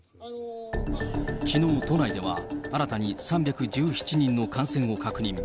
きのう都内では新たに３１７人の感染を確認。